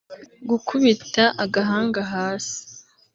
gukubita agahanga hasi